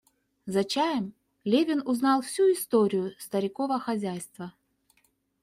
За чаем Левин узнал всю историю старикова хозяйства.